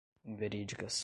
inverídicas